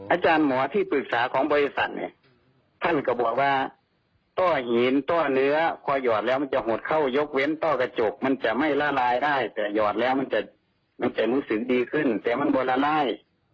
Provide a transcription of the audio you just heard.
อาจารย์หมอที่ปรึกษาของบริษัทเนี่ยท่านก็บอกว่าต้อหินต้อเนื้อพอหยอดแล้วมันจะหดเข้ายกเว้นต้อกระจกมันจะไม่ละลายได้แต่หยอดแล้วมันจะมันจะรู้สึกดีขึ้นแต่มันคนละลาย